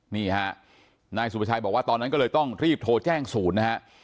นี่ฮะนายสุภาชัยบอกว่าตอนนั้นก็เลยต้องรีบโทรแจ้งศูนย์นะฮะ